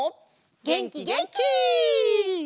げんきげんき！